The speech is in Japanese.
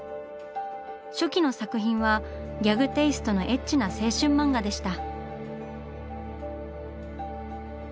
初期の作品はギャグテイストのエッチな青春漫画でした。